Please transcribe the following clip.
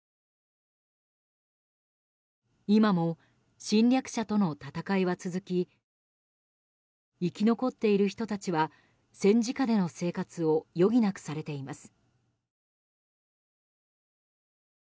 今も侵略者との戦いは続き生き残っている人たちは戦時下での生活を余儀なくされています。